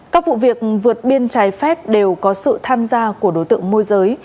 các vụ việc vượt biên trái phép đều có sự tham gia của đối tượng môi giới